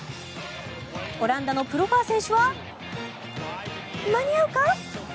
オランダのプロファー選手は間に合うか？